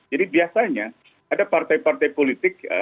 jadi biasanya ada partai partai politik